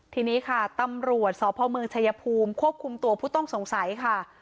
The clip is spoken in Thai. ทีนี้ค่ะตำรวจสพเมืองชายภูมิควบคุมตัวผู้ต้องสงสัยค่ะ